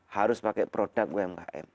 harus pakai produk umkm